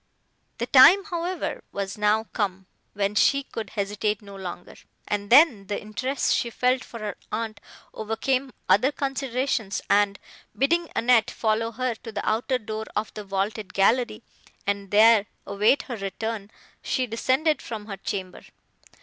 The time, however, was now come, when she could hesitate no longer: and then the interest she felt for her aunt overcame other considerations, and, bidding Annette follow her to the outer door of the vaulted gallery, and there await her return, she descended from her chamber.